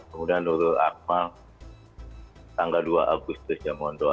kemudian nurul akmal tanggal dua agustus jamon doa